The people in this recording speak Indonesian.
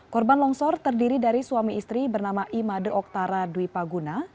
korban longsor terdiri dari suami istri bernama imader oktara dwi paguna